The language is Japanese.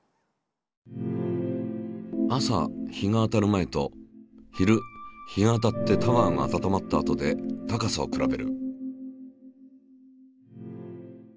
朝日が当たる前と昼日が当たってタワーが温まったあとで高さを比べる。